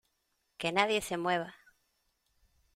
¡ Que nadie se mueva!